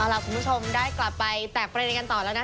ล่ะคุณผู้ชมได้กลับไปแตกประเด็นกันต่อแล้วนะ